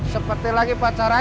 seperti lagi pacaran ya